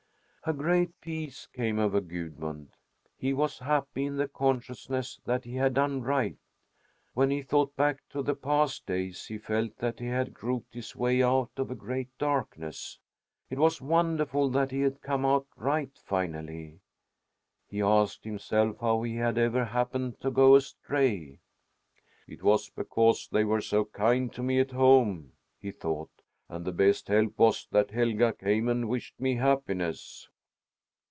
A great peace came over Gudmund. He was happy in the consciousness that he had done right. When he thought back to the past days, he felt that he had groped his way out of a great darkness. It was wonderful that he had come out right finally. He asked himself how he had ever happened to go astray. "It was because they were so kind to me at home," he thought, "and the best help was that Helga came and wished me happiness."